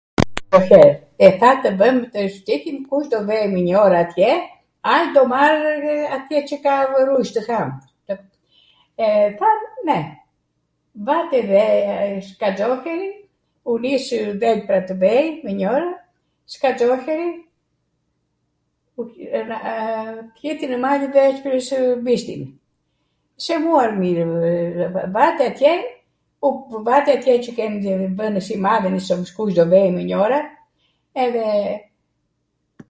do flerw, e tha tw vwmw, tw shtitim kush do vejw njora atje, an do marrw atje qw ka rush tw ham, e thanw ne, vate edhe skanxohjeri, u nisw dhelpra tw vej mwnjora, skanxohjeri ... fjeti nw malw dhelprwsw bishtin, s'e muar mirw..., vate atje, vate atje qw kejnw bwnw simadhin se mos kush do vejw mwnjora edhe....